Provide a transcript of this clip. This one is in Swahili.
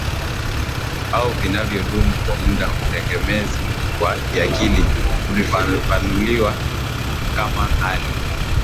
au vinavyodumu kwa muda Utegemezi wa kiakili ulifafanuliwa kama hali